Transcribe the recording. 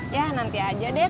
ya nanti aja deh